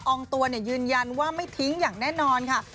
องตัวยืนยันว่าไม่ทิ้งอย่างแน่นอนค่ะ